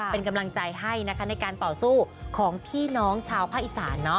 เป็นกำลังใจให้ในการต่อสู้ของพี่น้องชาวพ่าอิสราณ